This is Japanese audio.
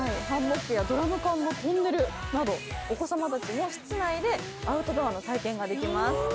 ハンモックやドラム缶のトンネルなどお子さまたちも室内でアウトドアの体験ができます。